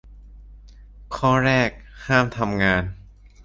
ข้อแรก ห้ามทำงาน